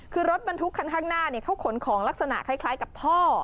คือรถบรรทุกคันข้างหน้าเขาขนของลักษณะคล้ายกับท่อ